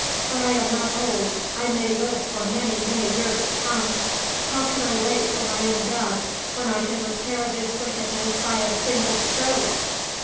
But I am not old; I may live for many, many years to come. How can I wait for my own death when I can repair this wickedness by a single stroke?"